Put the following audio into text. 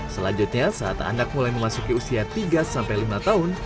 selanjutnya saat anak mulai memasuki usia tiga sampai lima tahun